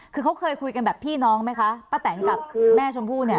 คือเขาเคยคุยกันแบบพี่น้องไหมคะป้าแตนกับแม่ชมพู่เนี่ย